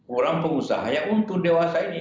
orang pengusaha yang untung dewasa ini